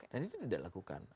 dan itu tidak dilakukan